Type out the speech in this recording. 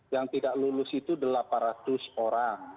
yang tidak lulus itu delapan ratus orang